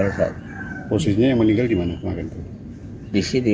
di sekolah kena ini lupa ribuan paling berat